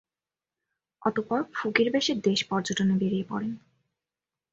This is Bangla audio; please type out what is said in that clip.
অতঃপর ফকির বেশে দেশ পর্যটনে বেরিয়ে পড়েন।